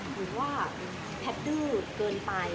หรือว่าแพทย์ดื้อเกินไป